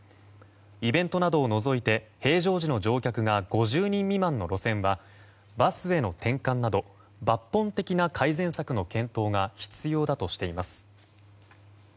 イベントなどを除いて平常時の乗客が５０人未満の路線はバスへの転換など抜本的な改善策の検討が必要だとしています。